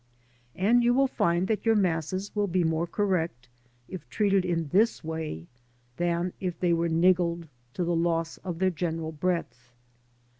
And you will find that your masses will be nlore correct, if treated in this way, than if they were niggled to the loss of their general breadth.